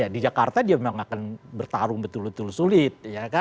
di jakarta dia memang akan bertarung betul betul sulit